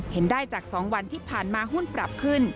เห็นได้จาก๒วันที่ผ่านมาหุ้นปรับขึ้น